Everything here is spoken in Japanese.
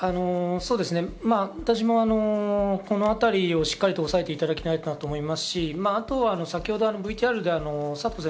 私もこのあたりをしっかり押さえていただきたいなと思いますし、あとは先ほどＶＴＲで佐藤先